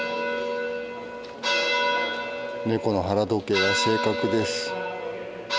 ネコの腹時計は正確です。